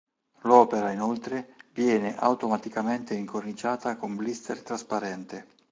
L'opera, inoltre, viene automaticamente incorniciata con blister trasparente.